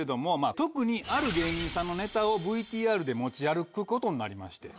特にある芸人さんのネタをＶＴＲで持ち歩くことになりまして。